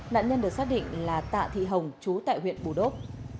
nạn nhân được xác định là tạ thị hồng chú tại huyện bù đốp